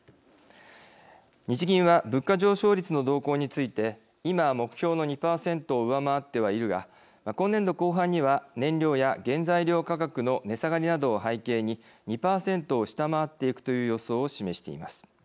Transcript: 日銀は物価上昇率の動向について今は目標の２％を上回ってはいるが今年度後半には燃料や原材料価格の値下がりなどを背景に２％を下回っていくという予想を示しています。